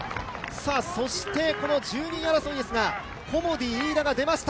そして１２位争いですが、コモディイイダが出ました。